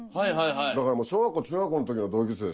だからもう小学校中学校の時の同級生でしょ？